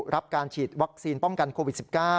รับการฉีดวัคซีนป้องกันโควิด๑๙